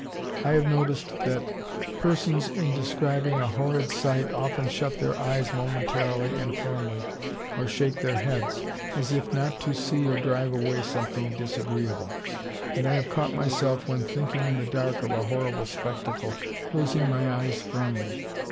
I have noticed that persons in describing a horrid sight often shut their eyes momentarily and firmly, or shake their heads, as if not to see or to drive away something disagreeable; and I have caught myself, when thinking in the dark of a horrid spectacle, closing my eyes firmly.